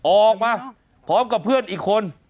ออกมาพร้อมกับเพื่อนอีกคน